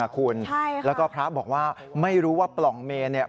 ใช่ค่ะแล้วก็พระบอกว่าไม่รู้ว่าปล่องเมลา